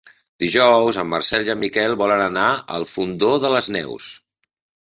Dijous en Marcel i en Miquel volen anar al Fondó de les Neus.